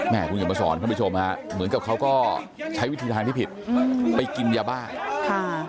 แม่คุณกำมาสอนเข้าไปชมฮะเหมือนกับเขาก็ใช้วิธีทางที่ผิดไปกินยาบ้า